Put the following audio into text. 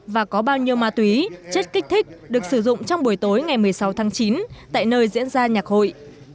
và có bao nhiêu ma túy chất kích thích được sử dụng trong buổi tối ngày một mươi sáu tháng chín tại nơi diễn ra nhạc hội